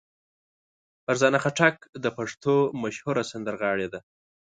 فرزانه خټک د پښتو مشهوره سندرغاړې ده.